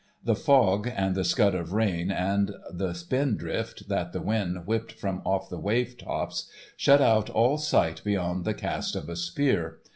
The fog and the scud of rain and the spindrift that the wind whipped from off the wavetops shut out all sight beyond the cast of a spear.